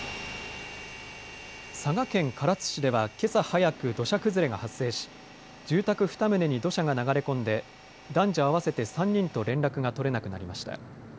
佐賀県唐津市ではけさ早く土砂崩れが発生し住宅２棟に土砂が流れ込んで男女合わせて３人と連絡が取れなくなりました。